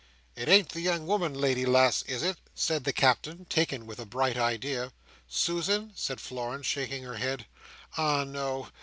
"It ain't the young woman, lady lass, is it?" said the Captain, taken with a bright idea. "Susan?" said Florence, shaking her head. "Ah no!